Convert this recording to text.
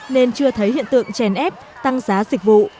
nên chưa thấy hiện tượng chèn ép tăng giá dịch vụ